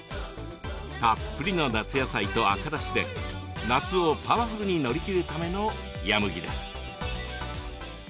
たっぷりの夏野菜と赤だしで夏をパワフルに乗り切るための冷や麦です。